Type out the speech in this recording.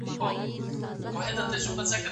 په ادب کې په ژبنیو مسایلو څېړنه کیږي.